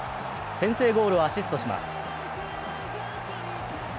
先制ゴールをアシストします。